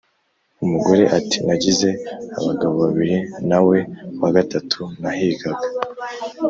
» umugore ati « nagize abagabo babiri nawe wa gatatu nahigaga »